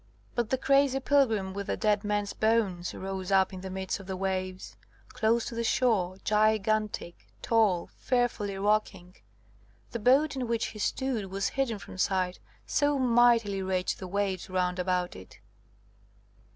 But the crazy pilgrim with the dead men's bones rose up in the midst of the waves, close to the shore, gigantic, tall, fearfully rocking; the boat in which he stood was hidden from sight, so mightily raged the waves round about it.